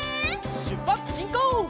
しゅっぱつしんこう！